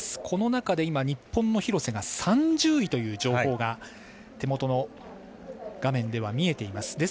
この中で今、日本の廣瀬が３０位という情報が手元の画面では見えています。